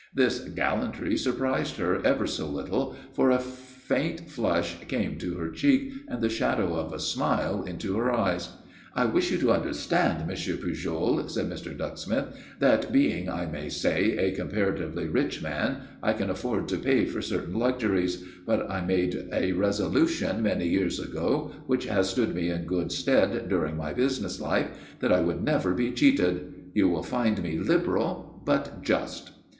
This gallantry surprised her ever so little, for a faint flush came into her cheek and the shadow of a smile into her eyes. "I wish you to understand, Mr. Pujol," said Mr. Ducksmith, "that being, I may say, a comparatively rich man, I can afford to pay for certain luxuries; but I made a resolution many years ago, which has stood me in good stead during my business life, that I would never be cheated. You will find me liberal but just."